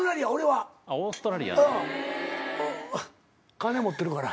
金持ってるから。